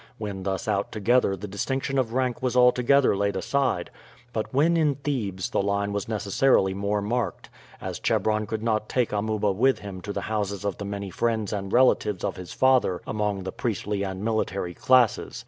When thus out together the distinction of rank was altogether laid aside; but when in Thebes the line was necessarily more marked, as Chebron could not take Amuba with him to the houses of the many friends and relatives of his father among the priestly and military classes.